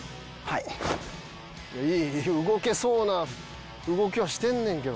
いい動けそうな動きはしてんねんけどね。